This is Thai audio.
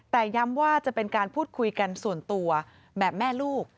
แต่ย้ำว่าจะเป็นการพูดคุยกันส่วนตัวแบบแม่ลูก